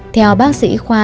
theo bác sĩ khoa